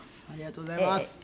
ありがとうございます。